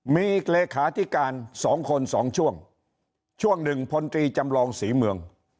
มีเลขาธิการสองคนสองช่วงช่วงหนึ่งพลตรีจำลองศรีเมือง